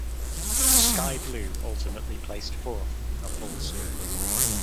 Sky Blue ultimately placed fourth in the Fall Series.